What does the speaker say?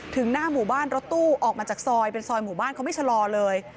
หน้าหมู่บ้านรถตู้ออกมาจากซอยเป็นซอยหมู่บ้านเขาไม่ชะลอเลย